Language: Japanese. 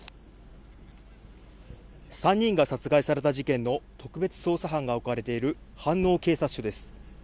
３人が殺害された事件の特別捜査班が置かれている飯能警察署です。